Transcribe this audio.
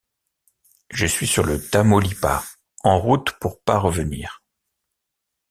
Je suis sur le Tamaulipas, en route pour Pasrevenir.